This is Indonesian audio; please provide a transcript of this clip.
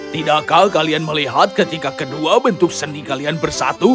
tidakkah kalian melihat ketika kedua bentuk sendi kalian bersatu